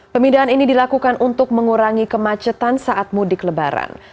pemindahan ini dilakukan untuk mengurangi kemacetan saat mudik lebaran